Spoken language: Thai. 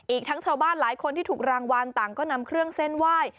อีกทั้งชาวบ้านหลายคนที่ถูกรางวัลต่างก็นำเครื่องเส้นไหว้